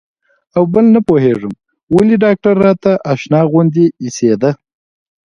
او بل نه پوهېږم ولې ډاکتر راته اشنا غوندې اېسېده.